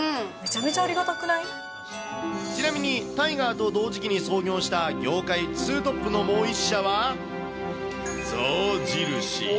めちゃちなみに、タイガーと同時期に創業した業界ツートップのもう１社は、象印。